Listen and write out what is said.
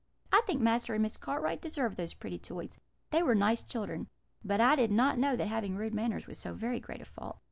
I think Master and Miss Cartwright deserved those pretty toys they were nice children: but I did not know that having rude manners was so very great a fault."